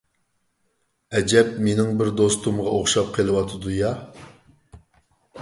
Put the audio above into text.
ئەجەب مېنىڭ بىر دوستۇمغا ئوخشاپ قېلىۋاتىدۇ يا.